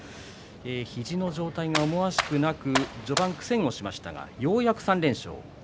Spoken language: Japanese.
肘の状態は思わしくなく序盤、苦戦しましたがようやく３連勝です。